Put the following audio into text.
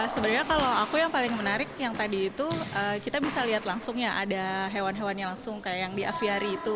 sebenarnya kalau aku yang paling menarik yang tadi itu kita bisa lihat langsung ya ada hewan hewannya langsung kayak yang di aviari itu